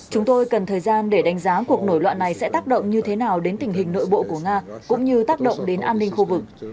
chúng tôi cần thời gian để đánh giá cuộc nổi loạn này sẽ tác động như thế nào đến tình hình nội bộ của nga cũng như tác động đến an ninh khu vực